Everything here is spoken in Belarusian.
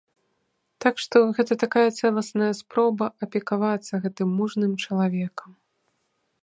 Так што гэта такая цэласная спроба апекавацца гэтым мужным чалавекам.